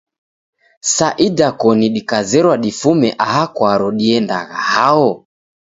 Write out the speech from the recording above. Sa idakoni dikazerwa difume aha kwaro diendagha hao?